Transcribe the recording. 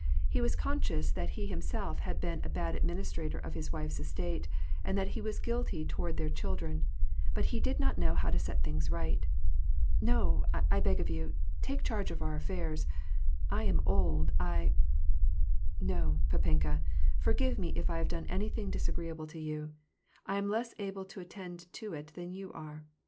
He was conscious that he liimself had been a bad administrator of his wife's estate, and that he was guilty toward their children ; but he did not know how to set things right. " No, I beg of you, take charge of our affairs ; I am old, I "—" No, pdpenka, forgive me if I have done anything disagree able to you ; I am less able to attend to it than you are.